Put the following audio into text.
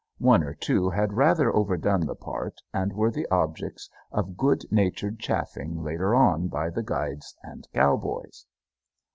One or two had rather overdone the part and were the objects of good natured chaffing later on by the guides and cowboys.